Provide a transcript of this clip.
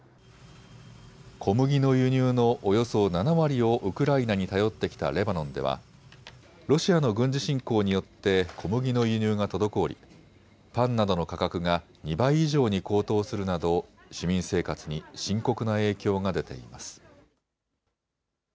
小麦の輸入のおよそ７割をウクライナに頼ってきたレバノンではロシアの軍事侵攻によって小麦の輸入が滞りパンなどの価格が２倍以上に高騰するなど市民生活に深刻な影響が出ています。